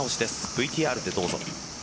ＶＴＲでどうぞ。